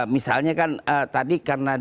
misalnya kan tadi karena